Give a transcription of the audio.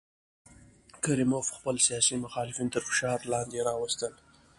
کریموف خپل سیاسي مخالفین تر فشار لاندې راوستل.